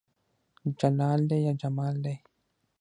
جلال دى يا جمال دى